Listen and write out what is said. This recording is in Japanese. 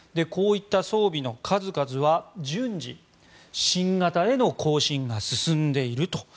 こういった装備の数々は順次、新型への更新が進んでいると。